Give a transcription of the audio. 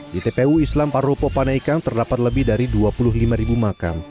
di tpu islam paropo panaikang terdapat lebih dari dua puluh lima ribu makam